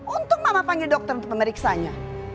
untung mama panggil dokter untuk pemeriksanya